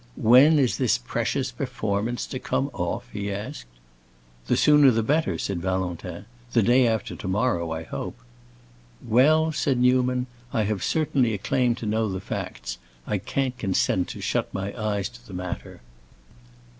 "When is this precious performance to come off?" he asked. "The sooner the better," said Valentin. "The day after to morrow, I hope." "Well," said Newman, "I have certainly a claim to know the facts. I can't consent to shut my eyes to the matter."